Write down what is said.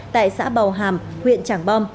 tại xã bào hàm huyện trảng bom